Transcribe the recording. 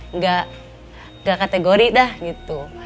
nggak kategori dah gitu